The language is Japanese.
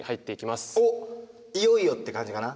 いよいよって感じかな？